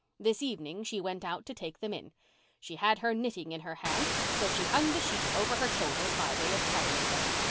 This evening she went out to take them in. She had her knitting in her hands so she hung the sheets over her shoulders by way of carrying them.